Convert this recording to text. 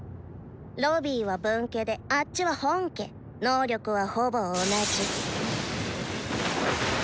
ロビーは分家であッチは本家能力はほぼ同じ。